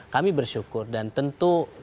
kami bersyukur dan tentu